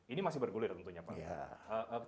ini masih bergulir tentunya pak